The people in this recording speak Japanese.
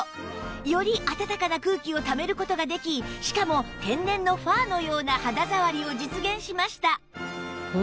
より暖かな空気をためる事ができしかも天然のファーのような肌触りを実現しました